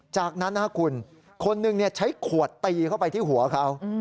จากนั้นคุณคนหนึ่งใช้ขวดตีเข้าไปที่หัวเขา